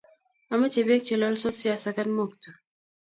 Ameche beek che lolsot siasakan mokto